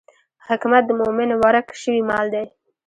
حکمت د مومن ورک شوی مال دی.